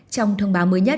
trong thông báo mới nhất